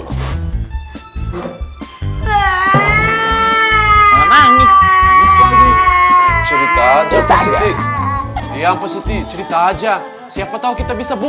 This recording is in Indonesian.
nangis cerita cerita aja siapa tahu kita bisa buka